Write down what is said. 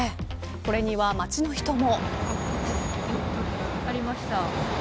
これには街の人も。